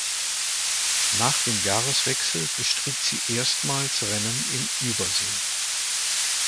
Nach dem Jahreswechsel bestritt sie erstmals Rennen in Übersee.